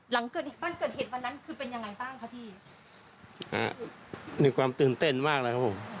หลังบ้านเกิดเหตุวันนั้นคือเป็นอย่างไรบ้างคะพี่